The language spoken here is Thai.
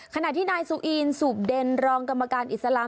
ขณะที่นายซูอีนสูบเดนรองกรรมการอิสลาม